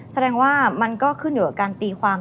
แสดงว่ามันก็ขึ้นอยู่กับการตีความ